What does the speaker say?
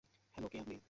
Hello কে আপনি?